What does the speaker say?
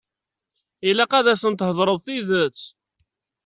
Ilaq ad asen-theḍṛeḍ tidet.